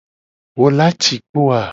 Wo la ci kpo a?